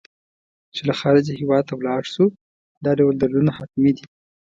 چې له خارجه هېواد ته ولاړ شو دا ډول دردونه حتمي دي.